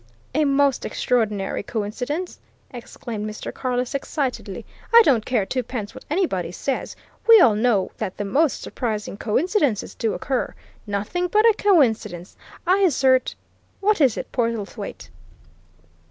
"A most extraordinary coincidence!" exclaimed Mr. Carless excitedly. "I don't care twopence what anybody says we all know that the most surprising coincidences do occur. Nothing but a coincidence! I assert what is it, Portlethwaite?"